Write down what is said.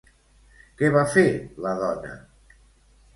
Què va fer la dona?